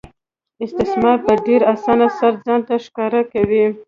استثمار په ډېرې اسانۍ سره ځان ښکاره کوي